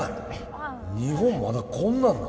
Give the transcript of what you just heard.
日本まだこんなんなん？